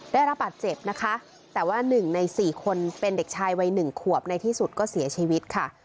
ได้รับบาดเจ็บนะคะแต่ว่า๑ใน๔คนเป็นเด็กชายวัยหนึ่งขวบในที่สุดก็เสียชีวิตค่ะ